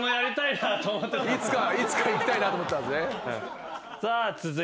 いつかいきたいなと思ってたんですね。